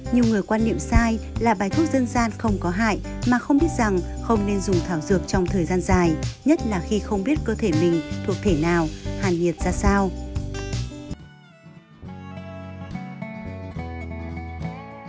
nhiều người quan niệm sai là bài thuốc dân gian không có hại mà không biết rằng không nên dùng thảo dược trong thời gian dài nhất là khi không biết cơ thể mình thuộc thể nào hàn nhiệt ra sao